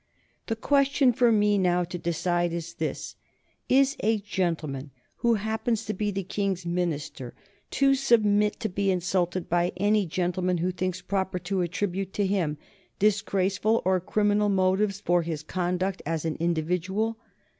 "The question for me now to decide is this: Is a gentleman who happens to be the King's Minister to submit to be insulted by any gentleman who thinks proper to attribute to him disgraceful or criminal motives for his conduct as an individual?